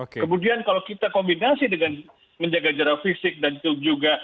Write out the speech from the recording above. kemudian kalau kita kombinasi dengan menjaga jarak fisik dan itu juga